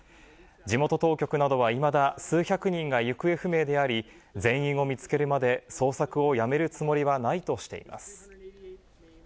地元当局などはいまだ数百人が行方不明であり、全員を見つけるまで捜索をやめるつもりはないとしています。